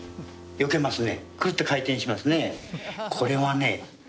よけますね。